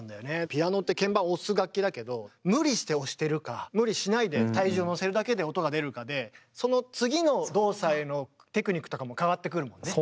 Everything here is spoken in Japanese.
ピアノって鍵盤押す楽器だけど無理して押してるか無理しないで体重をのせるだけで音が出るかでその次の動作へのテクニックとかも変わってくるもんね？